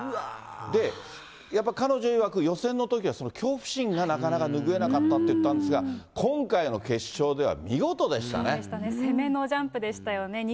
で、やっぱ彼女いわく、予選のときは、恐怖心がなかなかぬぐえなかったって言ったんですが、今回の決勝攻めのジャンプでしたよね。